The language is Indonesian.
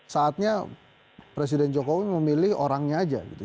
saatnya presiden jokowi memilih orangnya aja gitu